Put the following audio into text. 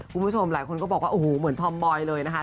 คุณผู้ชมหลายคนก็บอกว่าโอ้โหเหมือนธอมบอยเลยนะคะ